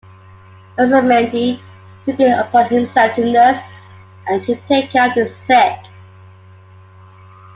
Arizmendi, took it upon himself to nurse and to take care of the sick.